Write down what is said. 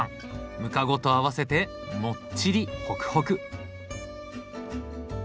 ムカゴと合わせてもっちりほくほく。